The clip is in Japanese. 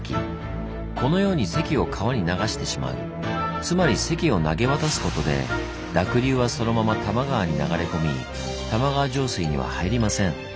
このように堰を川に流してしまうつまり堰を投げ渡すことで濁流はそのまま多摩川に流れ込み玉川上水には入りません。